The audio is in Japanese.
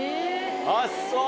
あっそう。